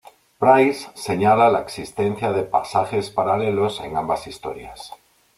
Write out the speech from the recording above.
Price señala la existencia de pasajes paralelos en ambas historias.